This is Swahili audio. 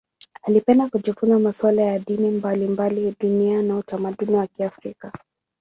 Alipenda kujifunza masuala ya dini mbalimbali duniani na utamaduni wa Kiafrika.